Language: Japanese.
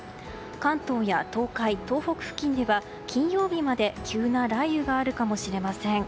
関東や東海、東北付近では金曜日まで急な雷雨があるかもしれません。